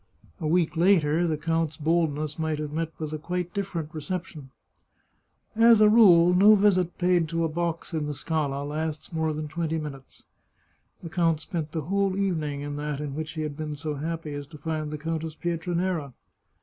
A week later the count's boldness might have met with quite a different reception. As a rule no visit paid to a box in the Scala lasts more 105 The Chartreuse of Parma than twenty minutes. The count spent the whole evening in that in which he had been so happy as to find the Countess Pietranera.